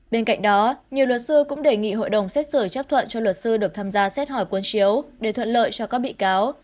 bên cạnh đó nhiều luật sư cũng đề nghị hội đồng xét xử chấp thuận cho luật sư được tham gia xét hỏi cuốn chiếu để thuận lợi cho các bị cáo